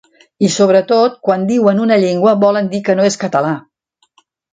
I, sobretot, quan diuen una llengua volen dir que no és català.